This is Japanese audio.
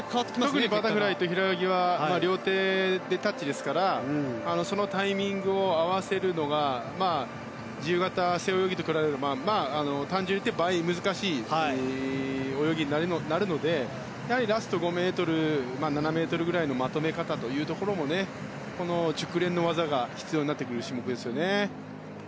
特にバタフライと平泳ぎは両手でタッチですからそのタイミングを合わせるのが自由形、背泳ぎと比べると単純に言って倍難しい泳ぎになるのでラスト５ｍ、７ｍくらいのまとめ方というところも熟練の技が必要になってくる種目ですね。